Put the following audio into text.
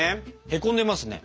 へこんでますね。